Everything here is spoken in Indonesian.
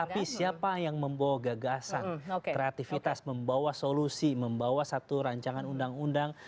tapi siapa yang membawa gagasan kreativitas membawa solusi membawa satu rancangan undang undang